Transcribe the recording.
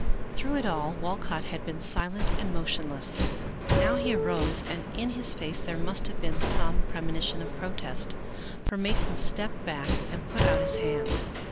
Through it all Walcott had been silent and motionless. Now he arose, and in his face there must have been some premonition of protest, for Mason stepped back and put out his hand.